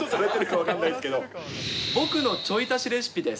僕のちょい足しレシピです。